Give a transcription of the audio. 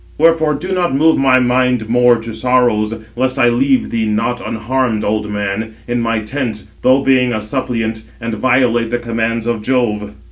Wherefore do not move my mind more to sorrows, lest I leave thee not unharmed, old man, in my tents, though being a suppliant, and violate the commands of Jove."